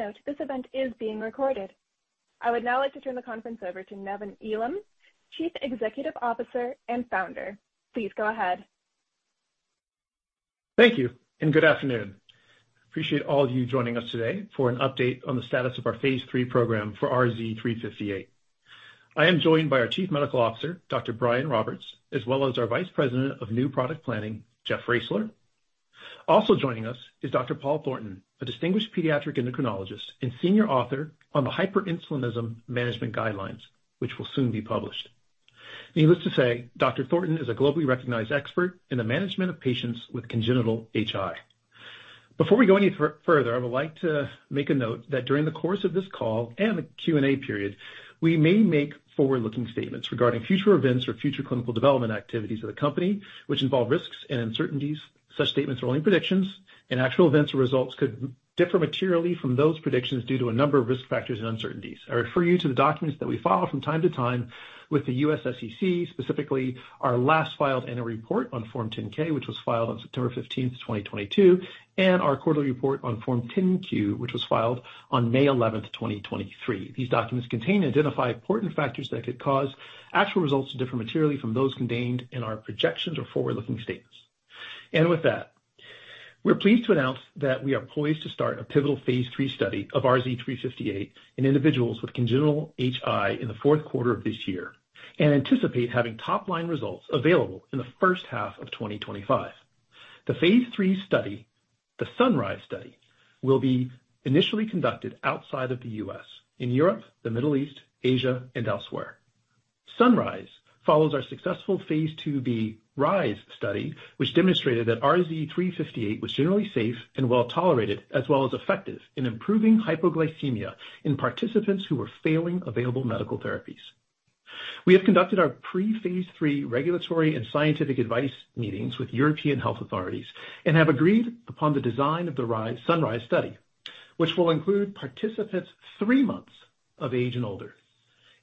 Please note, this event is being recorded. I would now like to turn the conference over to Nevan Elam, Chief Executive Officer and Founder. Please go ahead. Thank you, and good afternoon. Appreciate all of you joining us today for an update on the status of our phase III program for RZ358. I am joined by our Chief Medical Officer, Dr. Brian Roberts, as well as our Vice President of New Product Planning, Jeff Roeseler. Also joining us is Dr. Paul Thornton, a distinguished pediatric endocrinologist and senior author on the Hyperinsulinism Management Guidelines, which will soon be published. Needless to say, Dr. Thornton is a globally recognized expert in the management of patients with congenital HI. Before we go any further, I would like to make a note that during the course of this call and the Q&A period, we may make forward-looking statements regarding future events or future clinical development activities of the company, which involve risks and uncertainties. Such statements are only predictions, and actual events or results could differ materially from those predictions due to a number of risk factors and uncertainties. I refer you to the documents that we file from time to time with the U.S. SEC, specifically our last filed annual report on Form 10-K, which was filed on September 15th, 2022, and our quarterly report on Form 10-Q, which was filed on May 11th, 2023. These documents contain and identify important factors that could cause actual results to differ materially from those contained in our projections or forward-looking statements. With that, we're pleased to announce that we are poised to start a pivotal phase III study of RZ358 in individuals with congenital HI in the fourth quarter of this year and anticipate having top-line results available in the first half of 2025. The phase III study, the sunRIZE study, will be initially conducted outside of the U.S., in Europe, the Middle East, Asia, and elsewhere. sunRIZE follows our successful phase IIb RIZE study, which demonstrated that RZ358 was generally safe and well tolerated, as well as effective in improving hypoglycemia in participants who were failing available medical therapies. We have conducted our pre-phase III regulatory and scientific advice meetings with European health authorities and have agreed upon the design of the sunRIZE study, which will include participants three months of age and older.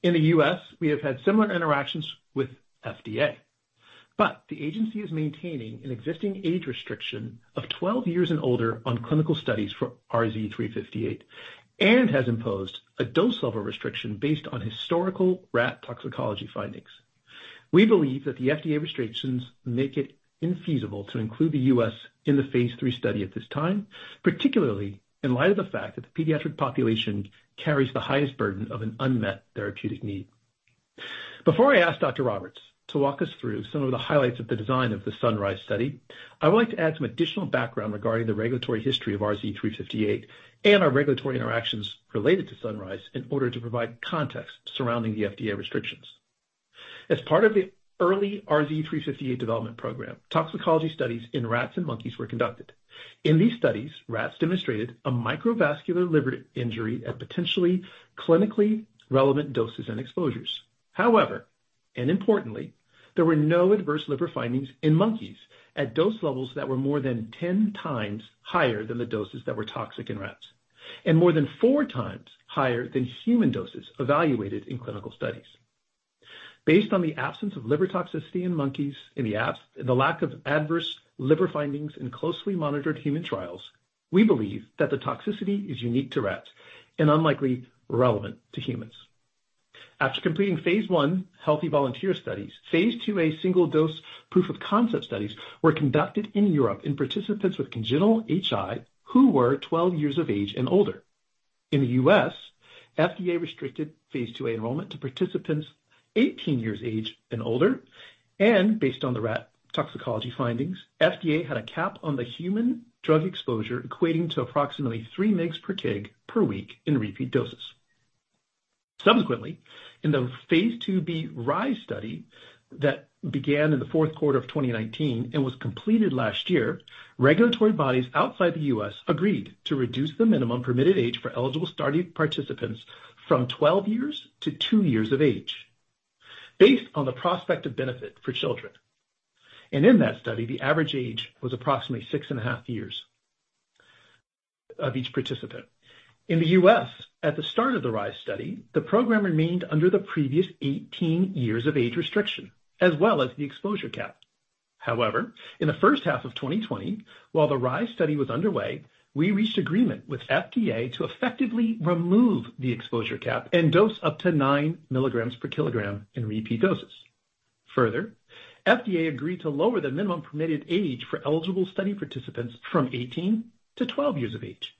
In the U.S., we have had similar interactions with FDA. The agency is maintaining an existing age restriction of 12 years and older on clinical studies for RZ358, and has imposed a dose level restriction based on historical rat toxicology findings. We believe that the FDA restrictions make it infeasible to include the U.S. in the phase III study at this time, particularly in light of the fact that the pediatric population carries the highest burden of an unmet therapeutic need. Before I ask Dr. Roberts to walk us through some of the highlights of the design of the sunRIZE study, I would like to add some additional background regarding the regulatory history of RZ358 and our regulatory interactions related to sunRIZE in order to provide context surrounding the FDA restrictions. As part of the early RZ358 development program, toxicology studies in rats and monkeys were conducted. In these studies, rats demonstrated a microvascular liver injury at potentially clinically relevant doses and exposures. Importantly, there were no adverse liver findings in monkeys at dose levels that were more than 10x higher than the doses that were toxic in rats, and more than four times higher than human doses evaluated in clinical studies. Based on the absence of liver toxicity in monkeys and the lack of adverse liver findings in closely monitored human trials, we believe that the toxicity is unique to rats and unlikely relevant to humans. After completing phase I healthy volunteer studies, phase IIa single-dose proof-of-concept studies were conducted in Europe in participants with congenital HI who were 12 years of age and older. In the U.S., FDA restricted phase IIa enrollment to participants 18 years of age and older, and based on the rat toxicology findings, FDA had a cap on the human drug exposure, equating to approximately 3 mg/kg/week in repeat doses. Subsequently, in the phase IIb RIZE study that began in the fourth quarter of 2019 and was completed last year, regulatory bodies outside the U.S. agreed to reduce the minimum permitted age for eligible study participants from 12 years to two years of age, based on the prospective benefit for children. In that study, the average age was approximately six and a half years of each participant. In the U.S., at the start of the RIZE study, the program remained under the previous 18 years of age restriction, as well as the exposure cap. However, in the first half of 2020, while the RIZE study was underway, we reached agreement with FDA to effectively remove the exposure cap and dose up to 9 milligrams per kilogram in repeat doses. Further, FDA agreed to lower the minimum permitted age for eligible study participants from 18 to 12 years of age.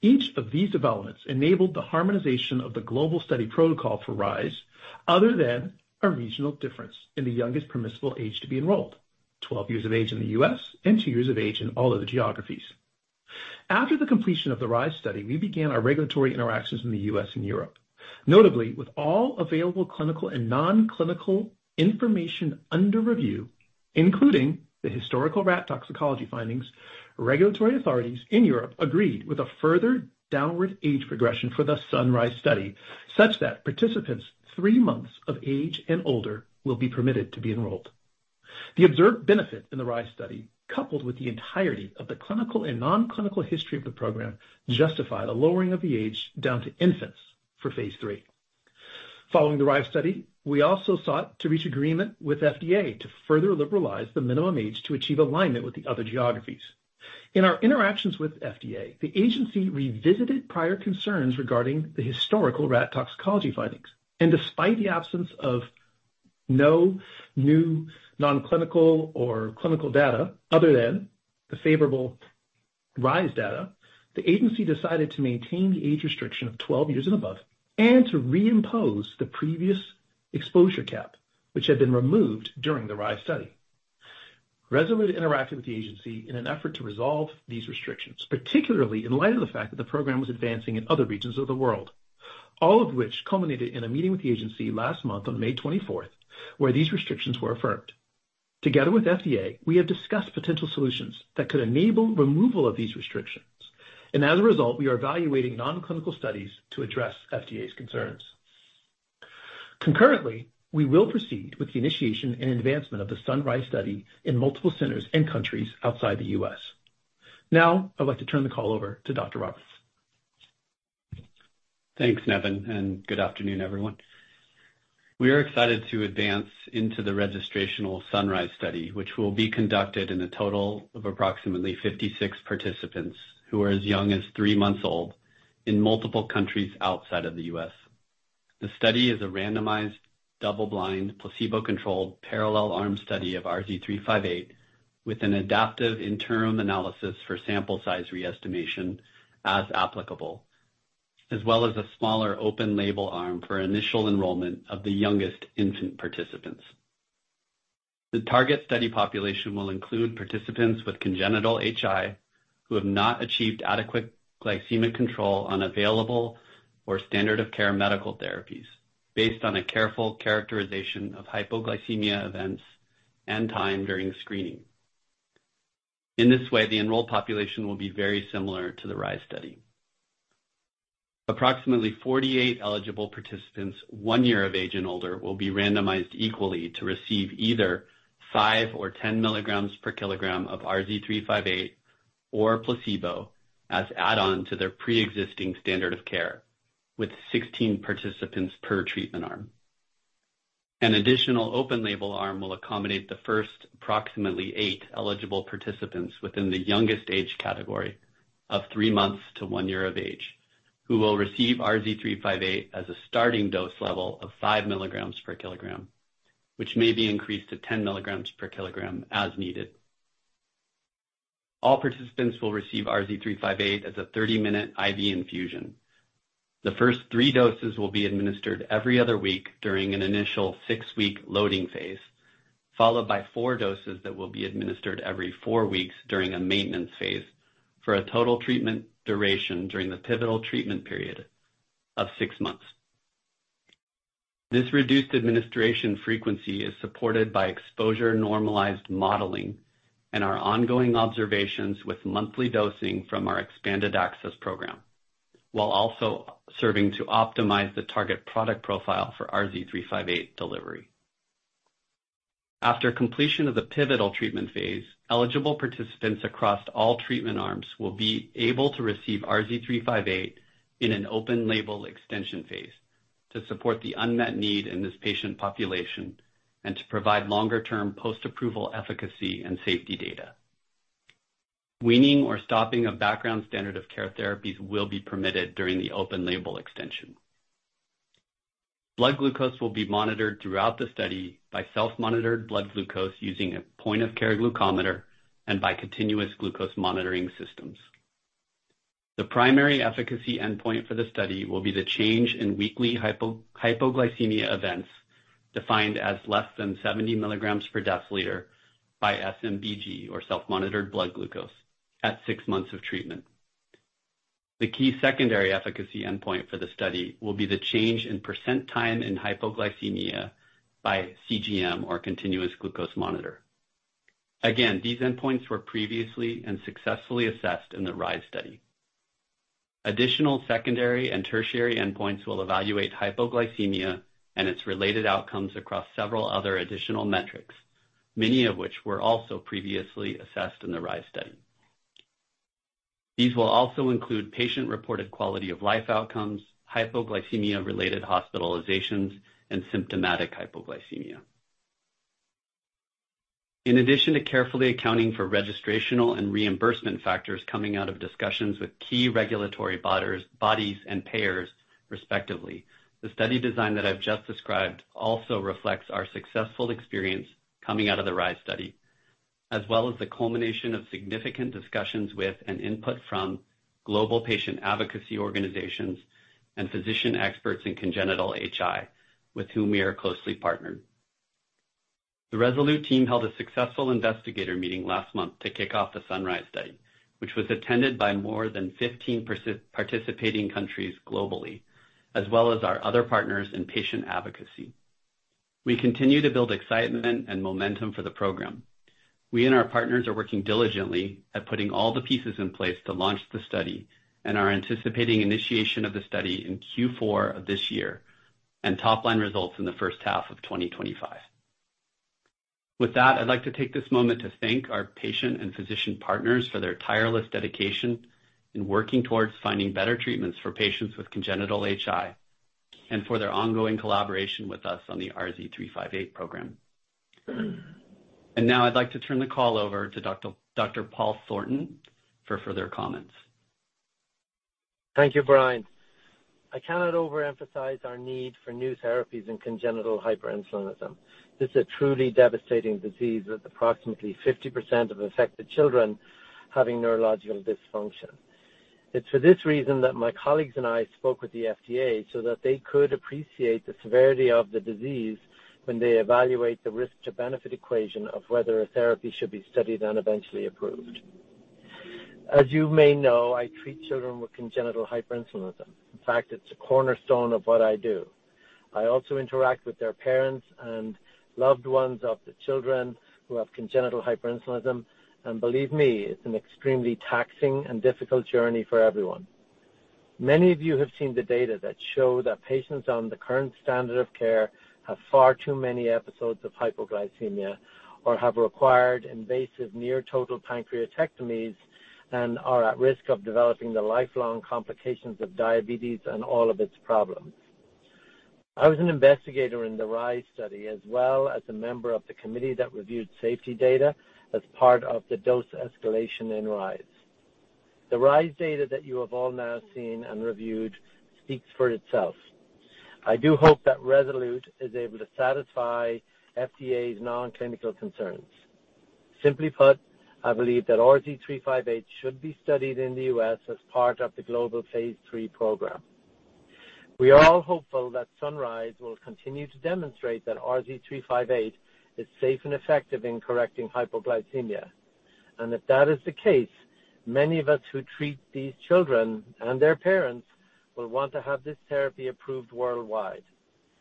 Each of these developments enabled the harmonization of the global study protocol for RIZE, other than a regional difference in the youngest permissible age to be enrolled, 12 years of age in the U.S. and two years of age in all other geographies. After the completion of the RIZE study, we began our regulatory interactions in the U.S. and Europe, notably with all available clinical and non-clinical information under review, including the historical rat toxicology findings. Regulatory authorities in Europe agreed with a further downward age progression for the sunRIZE study, such that participants three months of age and older will be permitted to be enrolled. The observed benefit in the RIZE study, coupled with the entirety of the clinical and non-clinical history of the program, justify the lowering of the age down to infants for phase III. Following the RIZE study, we also sought to reach agreement with FDA to further liberalize the minimum age to achieve alignment with the other geographies. In our interactions with FDA, the agency revisited prior concerns regarding the historical rat toxicology findings, and despite the absence of no new non-clinical or clinical data other than the favorable RIZE data, the agency decided to maintain the age restriction of 12 years and above, and to reimpose the previous exposure cap, which had been removed during the RIZE study. Rezolute interacted with the agency in an effort to resolve these restrictions, particularly in light of the fact that the program was advancing in other regions of the world, all of which culminated in a meeting with the agency last month on May 24th, where these restrictions were affirmed. Together with FDA, we have discussed potential solutions that could enable removal of these restrictions, and as a result, we are evaluating non-clinical studies to address FDA's concerns. Concurrently, we will proceed with the initiation and advancement of the sunRIZE study in multiple centers and countries outside the U.S. Now, I'd like to turn the call over to Dr. Roberts. Thanks, Nevin. Good afternoon, everyone. We are excited to advance into the registrational sunRIZE study, which will be conducted in a total of approximately 56 participants who are as young as three months old in multiple countries outside of the U.S. The study is a randomized, double-blind, placebo-controlled, parallel arm study of RZ358, with an adaptive interim analysis for sample size re-estimation as applicable, as well as a smaller open-label arm for initial enrollment of the youngest infant participants. The target study population will include participants with congenital HI, who have not achieved adequate glycemic control on available or standard of care medical therapies, based on a careful characterization of hypoglycemia events and time during screening. In this way, the enrolled population will be very similar to the RIZE study. Approximately 48 eligible participants, one year of age and older, will be randomized equally to receive either 5 or 10 milligrams per kilogram of RZ358 or placebo as add-on to their pre-existing standard of care, with 16 participants per treatment arm. An additional open label arm will accommodate the first approximately 8 eligible participants within the youngest age category of three months to one year of age, who will receive RZ358 as a starting dose level of 5 milligrams per kilogram, which may be increased to 10 milligrams per kilogram as needed. All participants will receive RZ358 as a 30-minute IV infusion. The first three doses will be administered every other week during an initial six-week loading phase, followed by four doses that will be administered every four weeks during a maintenance phase, for a total treatment duration during the pivotal treatment period of six months. This reduced administration frequency is supported by exposure-normalized modeling and our ongoing observations with monthly dosing from our expanded access program, while also serving to optimize the target product profile for RZ358 delivery. After completion of the pivotal treatment phase, eligible participants across all treatment arms will be able to receive RZ358 in an open-label extension phase to support the unmet need in this patient population and to provide longer term post-approval efficacy and safety data. Weaning or stopping of background standard of care therapies will be permitted during the open-label extension. Blood glucose will be monitored throughout the study by self-monitored blood glucose using a point-of-care glucometer and by continuous glucose monitoring systems. The primary efficacy endpoint for the study will be the change in weekly hypoglycemia events, defined as less than 70 milligrams per deciliter by SMBG, or self-monitored blood glucose, at six months of treatment. The key secondary efficacy endpoint for the study will be the change in percent time in hypoglycemia by CGM or continuous glucose monitor. These endpoints were previously and successfully assessed in the RIZE study. Additional secondary and tertiary endpoints will evaluate hypoglycemia and its related outcomes across several other additional metrics, many of which were also previously assessed in the RIZE study. These will also include patient-reported quality of life outcomes, hypoglycemia-related hospitalizations, and symptomatic hypoglycemia. In addition to carefully accounting for registrational and reimbursement factors coming out of discussions with key regulatory bodies and payers respectively, the study design that I've just described also reflects our successful experience coming out of the RIZE study, as well as the culmination of significant discussions with and input from global patient advocacy organizations and physician experts in congenital HI, with whom we are closely partnered. The Rezolute team held a successful investigator meeting last month to kick off the sunRIZE study, which was attended by more than 15 participating countries globally, as well as our other partners in patient advocacy. We continue to build excitement and momentum for the program. We and our partners are working diligently at putting all the pieces in place to launch the study and are anticipating initiation of the study in Q4 of this year and top line results in the first half of 2025. With that, I'd like to take this moment to thank our patient and physician partners for their tireless dedication in working towards finding better treatments for patients with congenital HI, and for their ongoing collaboration with us on the RZ358 program. Now I'd like to turn the call over to Dr. Paul Thornton for further comments. Thank you, Brian. I cannot overemphasize our need for new therapies in congenital hyperinsulinism. This is a truly devastating disease, with approximately 50% of affected children having neurological dysfunction. It's for this reason that my colleagues and I spoke with the FDA so that they could appreciate the severity of the disease when they evaluate the risk to benefit equation of whether a therapy should be studied and eventually approved. As you may know, I treat children with congenital hyperinsulinism. In fact, it's a cornerstone of what I do. I also interact with their parents and loved ones of the children who have congenital hyperinsulinism, and believe me, it's an extremely taxing and difficult journey for everyone. Many of you have seen the data that show that patients on the current standard of care have far too many episodes of hypoglycemia, or have required invasive near-total pancreatectomies and are at risk of developing the lifelong complications of diabetes and all of its problems. I was an investigator in the RIZE study, as well as a member of the committee that reviewed safety data as part of the dose escalation in RIZE. The RIZE data that you have all now seen and reviewed speaks for itself. I do hope that Rezolute is able to satisfy FDA's non-clinical concerns. Simply put, I believe that RZ358 should be studied in the U.S. as part of the global phase III program. We are all hopeful that sunRIZE will continue to demonstrate that RZ358 is safe and effective in correcting hypoglycemia. If that is the case, many of us who treat these children and their parents will want to have this therapy approved worldwide,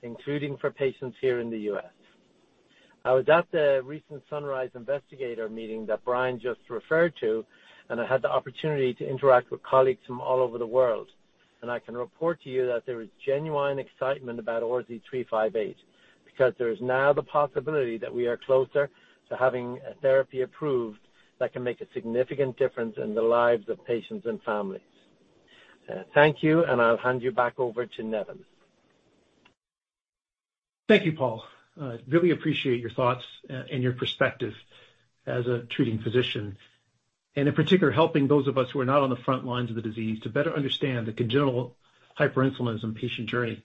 including for patients here in the U.S. I was at the recent sunRIZE investigator meeting that Brian just referred to, and I had the opportunity to interact with colleagues from all over the world. I can report to you that there is genuine excitement about RZ358, because there is now the possibility that we are closer to having a therapy approved that can make a significant difference in the lives of patients and families. Thank you, and I'll hand you back over to Nevin. Thank you, Paul. really appreciate your thoughts and your perspective as a treating physician, and in particular, helping those of us who are not on the front lines of the disease to better understand the congenital hyperinsulinism patient journey.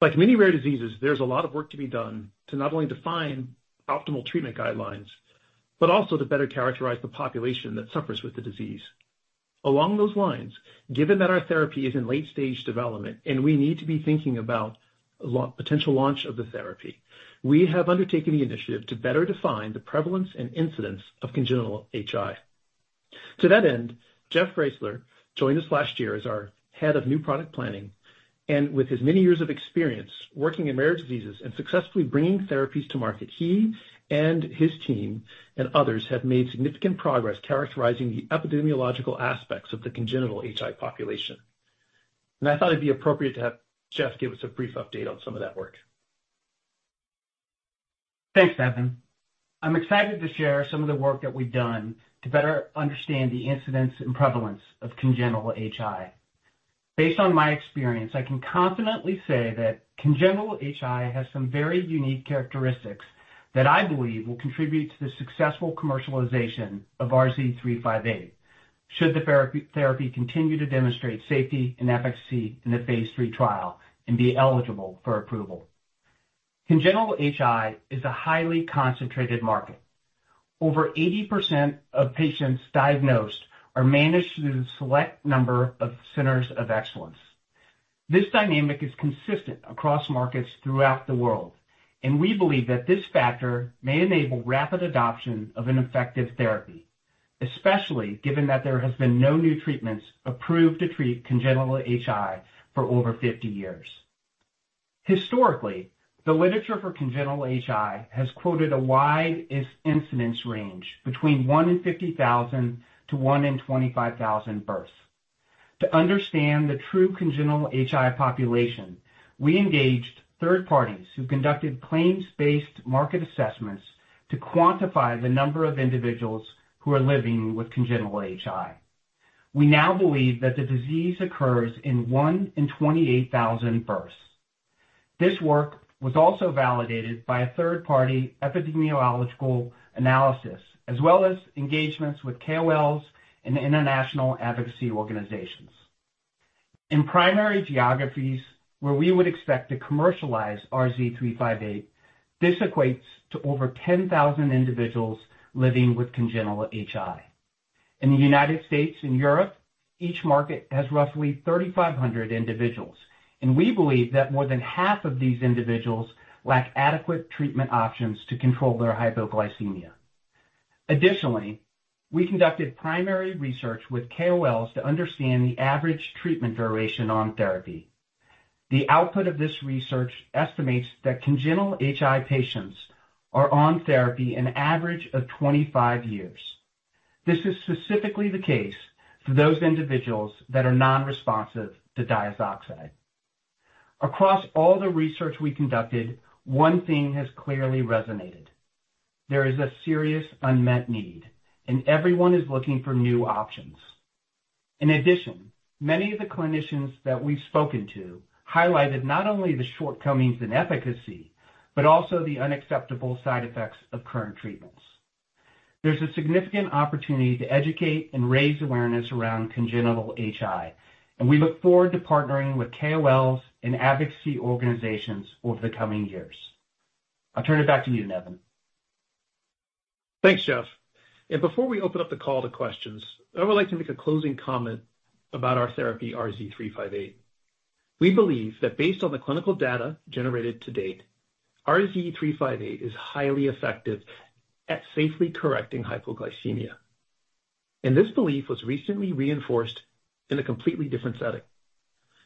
Like many rare diseases, there's a lot of work to be done to not only define optimal treatment guidelines, but also to better characterize the population that suffers with the disease. Along those lines, given that our therapy is in late stage development, and we need to be thinking about potential launch of the therapy, we have undertaken the initiative to better define the prevalence and incidence of congenital HI. To that end, Jeff Roeseler joined us last year as our head of new product planning, and with his many years of experience working in rare diseases and successfully bringing therapies to market, he and his team and others have made significant progress characterizing the epidemiological aspects of the congenital HI population. I thought it'd be appropriate to have Jeff give us a brief update on some of that work. Thanks, Nevin. I'm excited to share some of the work that we've done to better understand the incidence and prevalence of congenital HI. Based on my experience, I can confidently say that congenital HI has some very unique characteristics that I believe will contribute to the successful commercialization of RZ358, should the therapy continue to demonstrate safety and efficacy in the phase III trial and be eligible for approval. Congenital HI is a highly concentrated market. Over 80% of patients diagnosed are managed through a select number of centers of excellence. This dynamic is consistent across markets throughout the world, and we believe that this factor may enable rapid adoption of an effective therapy, especially given that there has been no new treatments approved to treat congenital HI for over 50 years. Historically, the literature for congenital HI has quoted a wide incidence range between 1 in 50,000 to 1 in 25,000 births. To understand the true congenital HI population, we engaged third parties who conducted claims-based market assessments to quantify the number of individuals who are living with congenital HI. We now believe that the disease occurs in 1 in 28,000 births. This work was also validated by a third-party epidemiological analysis, as well as engagements with KOLs and international advocacy organizations. In primary geographies where we would expect to commercialize RZ358, this equates to over 10,000 individuals living with congenital HI. In the U.S. and Europe, each market has roughly 3,500 individuals, and we believe that more than half of these individuals lack adequate treatment options to control their hypoglycemia. Additionally, we conducted primary research with KOLs to understand the average treatment duration on therapy. The output of this research estimates that congenital HI patients are on therapy an average of 25 years. This is specifically the case for those individuals that are non-responsive to diazoxide. Across all the research we conducted, one thing has clearly resonated: there is a serious unmet need, and everyone is looking for new options. In addition, many of the clinicians that we've spoken to highlighted not only the shortcomings in efficacy, but also the unacceptable side effects of current treatments. There's a significant opportunity to educate and raise awareness around congenital HI, and we look forward to partnering with KOLs and advocacy organizations over the coming years. I'll turn it back to you, Nevin. Thanks, Jeff. And before we open up the call to questions, I would like to make a closing comment about our therapy, RZ358. We believe that based on the clinical data generated to date, RZ358 is highly effective at safely correcting hypoglycemia, and this belief was recently reinforced in a completely different setting.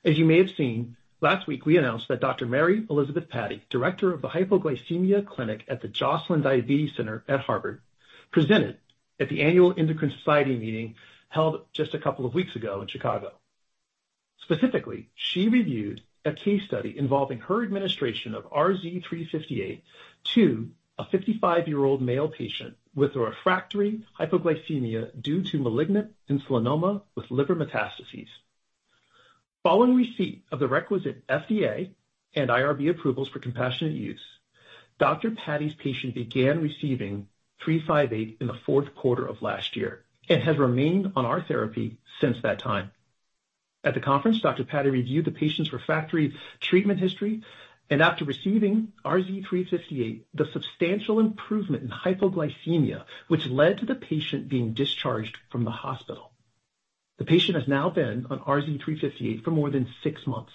As you may have seen, last week, we announced that Dr. Mary-Elizabeth Patti, Director of the Hypoglycemia Clinic at the Joslin Diabetes Center at Harvard, presented at the Annual Endocrine Society meeting held just a couple of weeks ago in Chicago. Specifically, she reviewed a case study involving her administration of RZ358 to a 55-year-old male patient with refractory hypoglycemia due to malignant insulinoma with liver metastases. Following receipt of the requisite FDA and IRB approvals for compassionate use, Dr. Patti's patient began receiving RZ358 in the fourth quarter of last year and has remained on our therapy since that time. At the conference, Dr. Patti reviewed the patient's refractory treatment history and after receiving RZ358, the substantial improvement in hypoglycemia, which led to the patient being discharged from the hospital. The patient has now been on RZ358 for more than six months,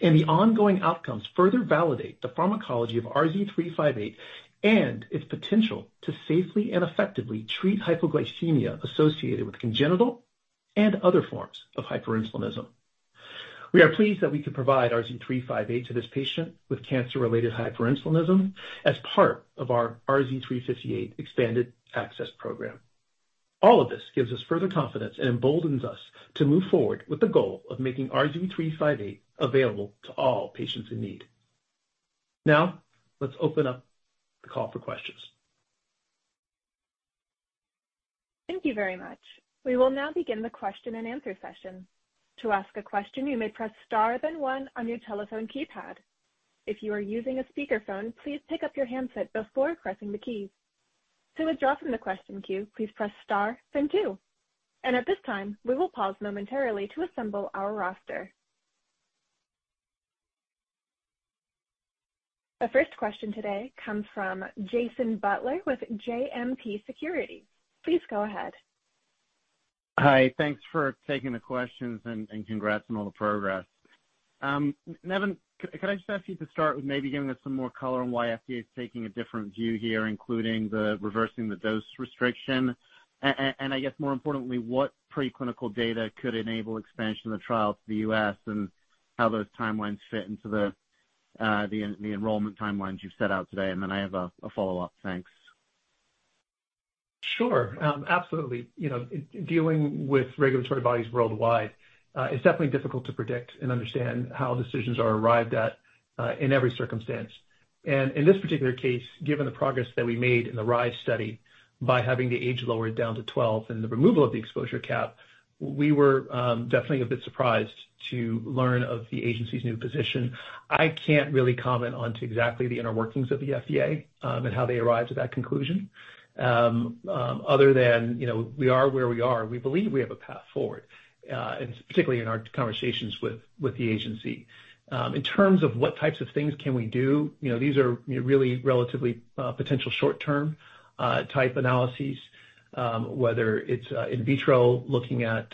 and the ongoing outcomes further validate the pharmacology of RZ358 and its potential to safely and effectively treat hypoglycemia associated with congenital and other forms of hyperinsulinism. We are pleased that we could provide RZ358 to this patient with cancer-related hyperinsulinism as part of our RZ358 expanded access program. All of this gives us further confidence and emboldens us to move forward with the goal of making RZ358 available to all patients in need. Let's open up the call for questions. Thank you very much. We will now begin the question and answer session. To ask a question, you may press star, then one on your telephone keypad. If you are using a speakerphone, please pick up your handset before pressing the keys. To withdraw from the question queue, please press star, then two. At this time, we will pause momentarily to assemble our roster. The first question today comes from Jason Butler with JMP Securities. Please go ahead. Hi, thanks for taking the questions, and congrats on all the progress. Nevan, could I just ask you to start with maybe giving us some more color on why FDA is taking a different view here, including the reversing the dose restriction? I guess more importantly, what preclinical data could enable expansion of the trial to the U.S. and how those timelines fit into the enrollment timelines you've set out today? Then I have a follow-up. Thanks. Sure, absolutely. You know, dealing with regulatory bodies worldwide, it's definitely difficult to predict and understand how decisions are arrived at in every circumstance. In this particular case, given the progress that we made in the RIZE study by having the age lowered down to 12 and the removal of the exposure cap, we were definitely a bit surprised to learn of the agency's new position. I can't really comment on to exactly the inner workings of the FDA, and how they arrived at that conclusion. Other than, you know, we are where we are, we believe we have a path forward, and particularly in our conversations with the agency. In terms of what types of things can we do, you know, these are, you know, really relatively potential short-term type analyses, whether it's in vitro, looking at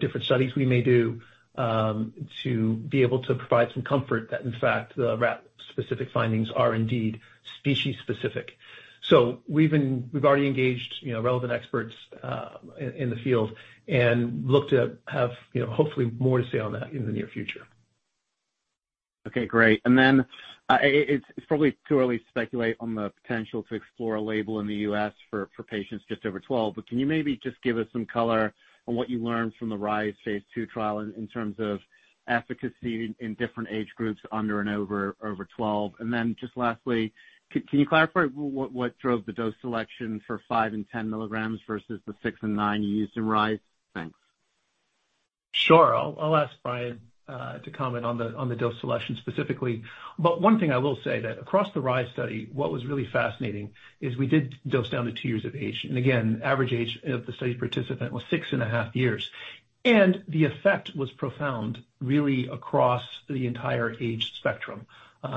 different studies we may do, to be able to provide some comfort that, in fact, the rat specific findings are indeed species specific. We've already engaged, you know, relevant experts in the field and look to have, you know, hopefully more to say on that in the near future. Okay, great. It's probably too early to speculate on the potential to explore a label in the U.S. for patients just over 12, but can you maybe just give us some color on what you learned from the RIZE phase IIb trial in terms of efficacy in different age groups under and over 12? Lastly, can you clarify what drove the dose selection for 5 and 10 milligrams versus the 6 and 9 you used in RIZE? Thanks. Sure. I'll ask Brian to comment on the dose selection specifically. One thing I will say that across the RIZE study, what was really fascinating is we did dose down to two years of age. Again, average age of the study participant was six and a half years. The effect was profound, really, across the entire age spectrum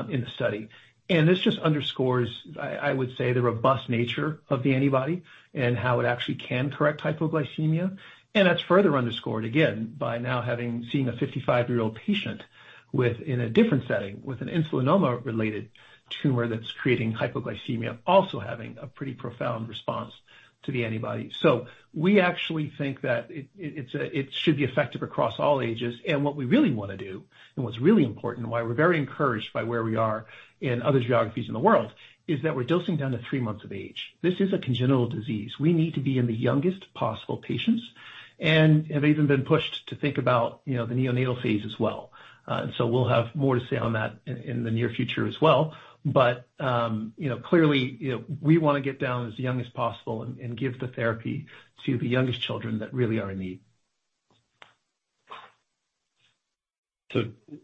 in the study. This just underscores, I would say, the robust nature of the antibody and how it actually can correct hypoglycemia. That's further underscored, again, by now having seen a 55-year-old patient with, in a different setting, with an insulinoma-related tumor that's creating hypoglycemia, also having a pretty profound response to the antibody. We actually think that it's effective across all ages. What we really want to do, and what's really important, and why we're very encouraged by where we are in other geographies in the world, is that we're dosing down to three months of age. This is a congenital disease. We need to be in the youngest possible patients and have even been pushed to think about, you know, the neonatal phase as well. And so we'll have more to say on that in the near future as well. You know, clearly, you know, we want to get down as young as possible and give the therapy to the youngest children that really are in need.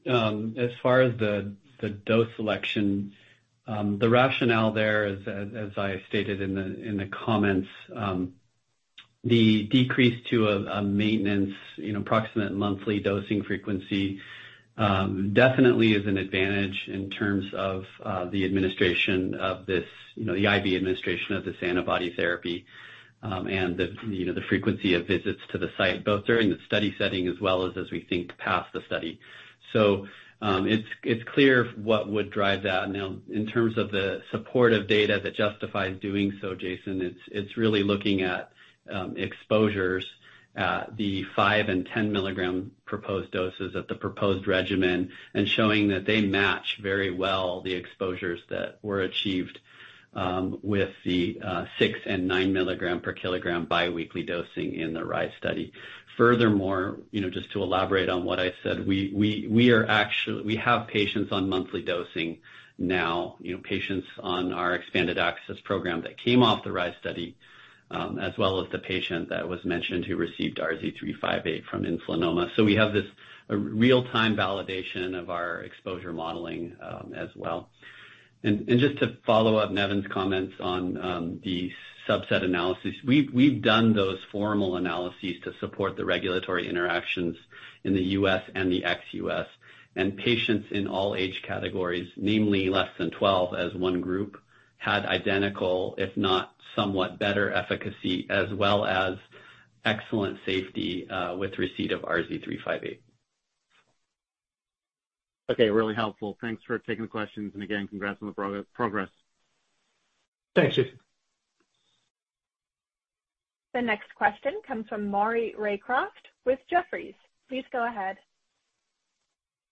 As far as the dose selection, the rationale there is, as I stated in the comments, the decrease to a maintenance, you know, approximate monthly dosing frequency, definitely is an advantage in terms of the administration of this, you know, the IV administration of this antibody therapy, and the, you know, the frequency of visits to the site, both during the study setting as well as we think past the study. It's clear what would drive that. In terms of the supportive data that justifies doing so, Jason, it's really looking at exposures at the 5 and 10 milligram proposed doses of the proposed regimen, and showing that they match very well the exposures that were achieved with the 6 and 9 milligram per kilogram biweekly dosing in the RIZE study. Furthermore, you know, just to elaborate on what I said, we have patients on monthly dosing now, you know, patients on our expanded access program that came off the RIZE study, as well as the patient that was mentioned, who received RZ358 from insulinoma. So we have this, a real-time validation of our exposure modeling, as well. Just to follow up Nevin's comments on the subset analysis, we've done those formal analyses to support the regulatory interactions in the U.S. and the ex-U.S. Patients in all age categories, namely less than 12 as one group, had identical, if not somewhat better efficacy, as well as excellent safety with receipt of RZ358. Okay, really helpful. Thanks for taking the questions, and again, congrats on the progress. Thanks, Jason. The next question comes from Maury Raycroft with Jefferies. Please go ahead.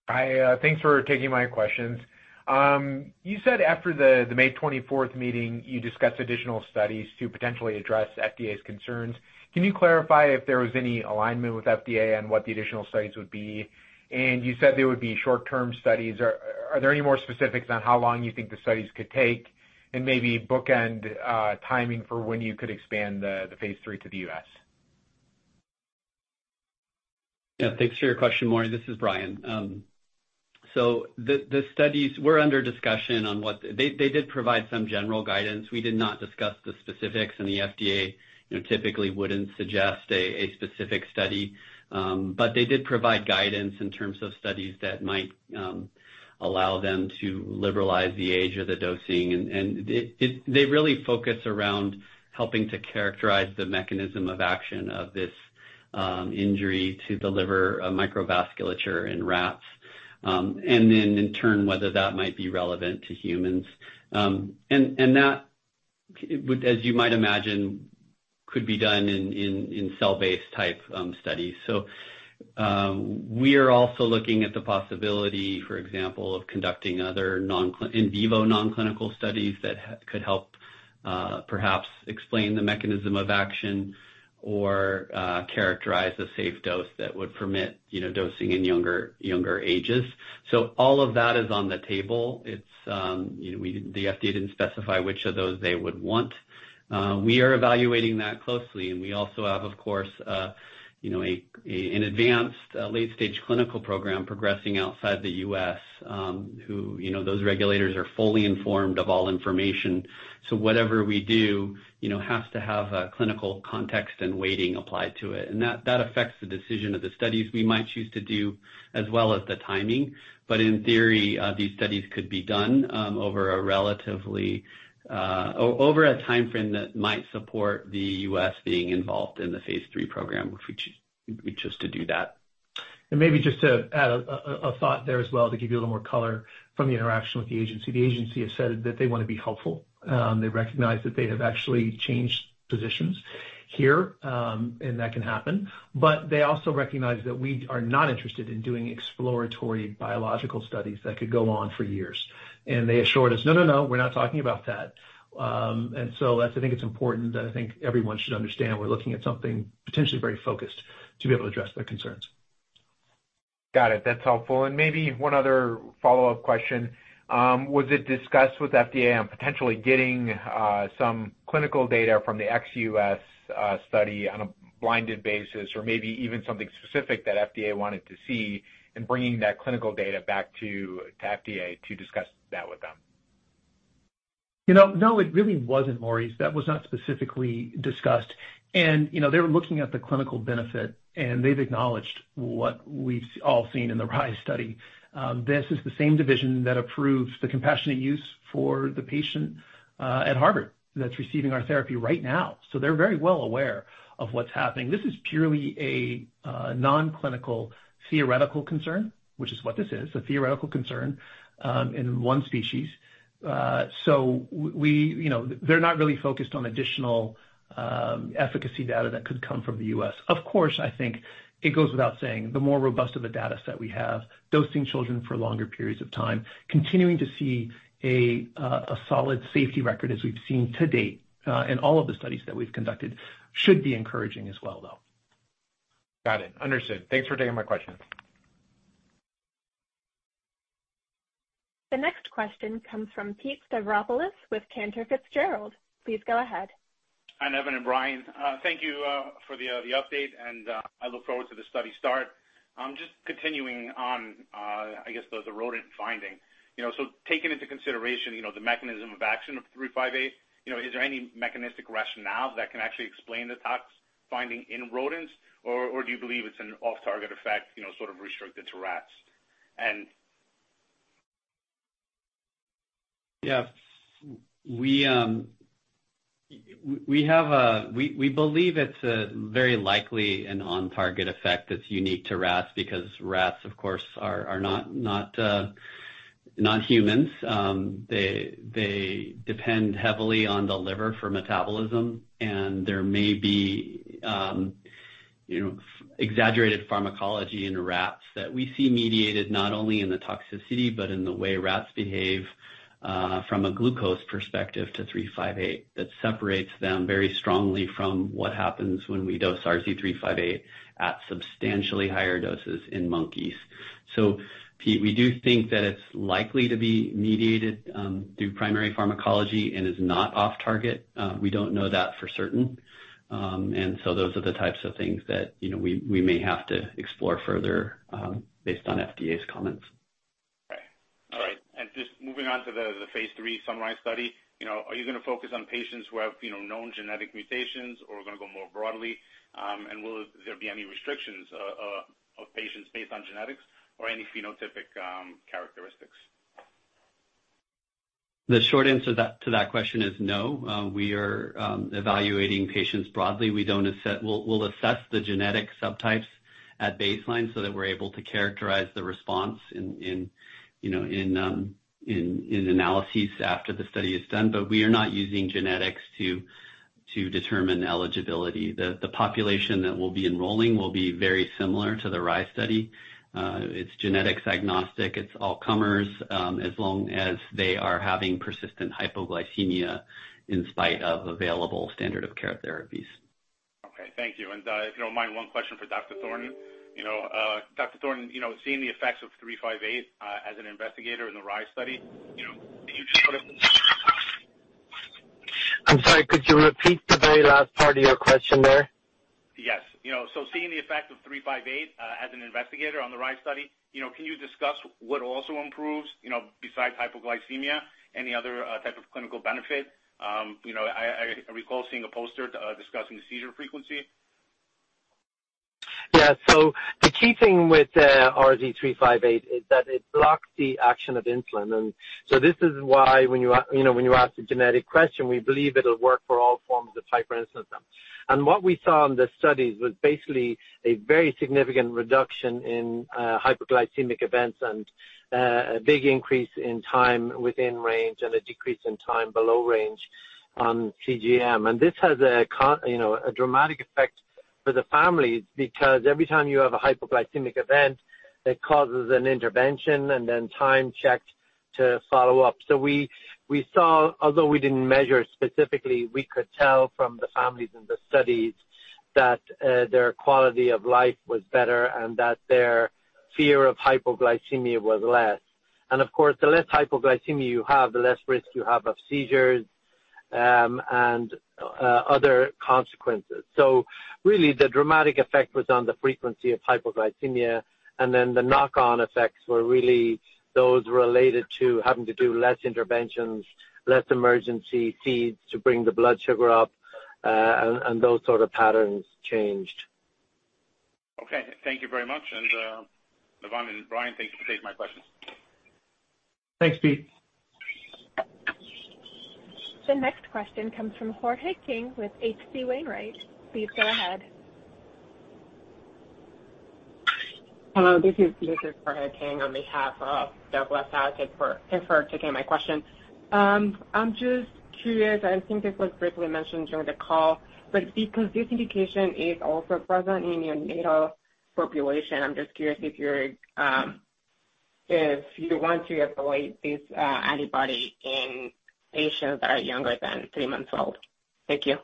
Hi, thanks for taking my questions. You said after the May 24th meeting, you discussed additional studies to potentially address FDA's concerns. Can you clarify if there was any alignment with FDA on what the additional studies would be? You said there would be short-term studies. Are there any more specifics on how long you think the studies could take, and maybe bookend timing for when you could expand the phase III to the U.S.? Yeah, thanks for your question, Maury. This is Brian. The studies were under discussion on what. They did provide some general guidance. We did not discuss the specifics, and the FDA, you know, typically wouldn't suggest a specific study. They did provide guidance in terms of studies that might allow them to liberalize the age of the dosing. They really focus around helping to characterize the mechanism of action of this injury to the liver microvasculature in rats, and then in turn, whether that might be relevant to humans. That would, as you might imagine, could be done in cell-based type studies. We are also looking at the possibility, for example, of conducting other in vivo non-clinical studies that could help, perhaps explain the mechanism of action or characterize a safe dose that would permit, you know, dosing in younger ages. All of that is on the table. It's, you know, the FDA didn't specify which of those they would want. We are evaluating that closely, and we also have, of course, you know, an advanced, late-stage clinical program progressing outside the U.S., who, you know, those regulators are fully informed of all information. Whatever we do, you know, has to have a clinical context and weighting applied to it, and that affects the decision of the studies we might choose to do, as well as the timing. In theory, these studies could be done, over a relatively, over a timeframe that might support the U.S. being involved in the Phase 3 program, if we chose to do that. Maybe just to add a thought there as well, to give you a little more color from the interaction with the agency. The agency has said that they wanna be helpful. They recognize that they have actually changed positions here, and that can happen. They also recognize that we are not interested in doing exploratory biological studies that could go on for years. They assured us, "No, no, we're not talking about that." That's, I think it's important that I think everyone should understand we're looking at something potentially very focused to be able to address their concerns. Got it. That's helpful. Maybe one other follow-up question. Was it discussed with FDA on potentially getting some clinical data from the ex-U.S. study on a blinded basis, or maybe even something specific that FDA wanted to see, and bringing that clinical data back to FDA to discuss that with them? You know, no, it really wasn't, Maury. That was not specifically discussed. You know, they were looking at the clinical benefit, and they've acknowledged what we've all seen in the RIZE study. This is the same division that approved the compassionate use for the patient, at Harvard, that's receiving our therapy right now. They're very well aware of what's happening. This is purely a non-clinical theoretical concern, which is what this is, a theoretical concern, in one species. We, you know, they're not really focused on additional efficacy data that could come from the U.S. I think it goes without saying, the more robust of a data set we have, dosing children for longer periods of time, continuing to see a solid safety record as we've seen to date, in all of the studies that we've conducted, should be encouraging as well, though. Got it. Understood. Thanks for taking my questions. The next question comes from Pete Stavropoulos with Cantor Fitzgerald. Please go ahead. Hi, Nevan and Brian. Thank you for the update, and I look forward to the study start. I'm just continuing on, I guess, the rodent finding. You know, taking into consideration, you know, the mechanism of action of three-five-eight, you know, is there any mechanistic rationale that can actually explain the tox finding in rodents? Or do you believe it's an off-target effect, you know, sort of restricted to rats? Yeah. We believe it's very likely an on-target effect that's unique to rats because rats, of course, are not humans. They depend heavily on the liver for metabolism, and there may be, you know, exaggerated pharmacology in rats that we see mediated not only in the toxicity, but in the way rats behave from a glucose perspective to RZ358. That separates them very strongly from what happens when we dose RZ358 at substantially higher doses in monkeys. Pete, we do think that it's likely to be mediated through primary pharmacology and is not off target. We don't know that for certain. Those are the types of things that, you know, we may have to explore further based on FDA's comments. Right. All right. Just moving on to the phase III summary study. You know, are you gonna focus on patients who have, you know, known genetic mutations, or are gonna go more broadly? Will there be any restrictions of patients based on genetics or any phenotypic characteristics? The short answer to that question is no. We are evaluating patients broadly. We'll assess the genetic subtypes at baseline so that we're able to characterize the response in, you know, in analyses after the study is done, but we are not using genetics to determine eligibility. The population that we'll be enrolling will be very similar to the RIZE study. It's genetics agnostic, it's all comers, as long as they are having persistent hypoglycemia in spite of available standard of care therapies. Okay. Thank you. If you don't mind, one question for Dr. Thornton. You know, Dr. Thornton, you know, seeing the effects of three-five-eight, as an investigator in the RIZE study, you know, can you just sort of. I'm sorry, could you repeat the very last part of your question there? You know, seeing the effect of 358 as an investigator on the RIZE study, you know, can you discuss what also improves, you know, besides hypoglycemia, any other type of clinical benefit? You know, I recall seeing a poster discussing the seizure frequency. Yeah. The key thing with RZ358 is that it blocks the action of insulin. This is why when you you know, when you ask a genetic question, we believe it'll work for all forms of hyperinsulinemia. What we saw in the studies was basically a very significant reduction in hypoglycemic events and a big increase in time within range and a decrease in time below range on CGM. This has a you know, a dramatic effect for the families, because every time you have a hypoglycemic event, it causes an intervention and then time checked to follow up. We saw although we didn't measure specifically, we could tell from the families in the studies that their quality of life was better and that their fear of hypoglycemia was less. Of course, the less hypoglycemia you have, the less risk you have of seizures, and other consequences. Really, the dramatic effect was on the frequency of hypoglycemia, and then the knock-on effects were really those related to having to do less interventions, less emergency feeds to bring the blood sugar up, and those sort of patterns changed. Okay. Thank you very much. Evan and Brian, thank you for taking my questions. Thanks, Pete. The next question comes from Jorge King with H.C. Wainwright. Please go ahead. Hello, this is Jorge King on behalf of Douglas Tsao, and for taking my question. I'm just curious, I think this was briefly mentioned during the call, but because this indication is also present in the neonatal population, I'm just curious if you're if you want to avoid this antibody in patients that are younger than three months old? Thank you.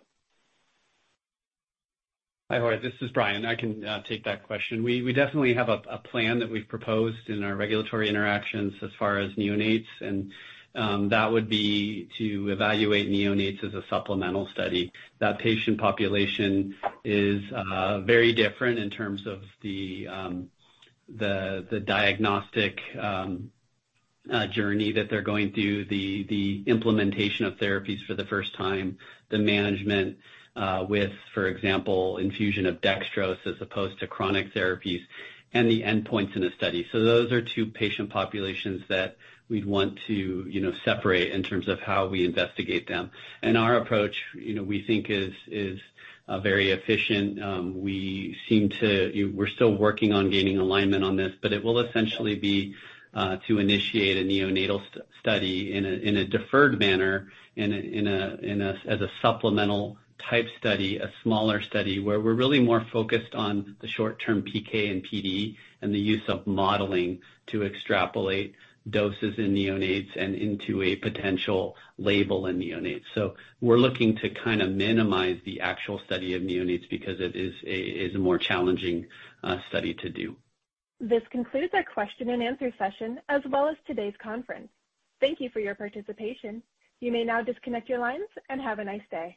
Hi, Jorge, this is Brian. I can take that question. We definitely have a plan that we've proposed in our regulatory interactions as far as neonates, and that would be to evaluate neonates as a supplemental study. That patient population is very different in terms of the diagnostic journey that they're going through, the implementation of therapies for the first time, the management, with, for example, infusion of dextrose as opposed to chronic therapies, and the endpoints in a study. Those are two patient populations that we'd want to, you know, separate in terms of how we investigate them. Our approach, you know, we think is very efficient. We seem to, we're still working on gaining alignment on this. It will essentially be to initiate a neonatal study in a deferred manner, as a supplemental type study, a smaller study where we're really more focused on the short-term PK and PD and the use of modeling to extrapolate doses in neonates and into a potential label in neonates. We're looking to kind of minimize the actual study of neonates because it is a more challenging study to do. This concludes our question and answer session, as well as today's conference. Thank you for your participation. You may now disconnect your lines and have a nice day.